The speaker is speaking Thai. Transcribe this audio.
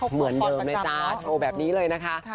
เหมือนเดิมนะจ๊ะโชว์แบบนี้เลยนะคะ